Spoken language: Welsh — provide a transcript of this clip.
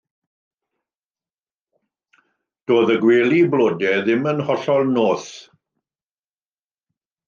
Doedd y gwely blodau ddim yn hollol noeth.